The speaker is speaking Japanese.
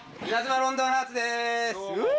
ロンドンハーツ』です。